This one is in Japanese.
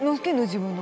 自分の。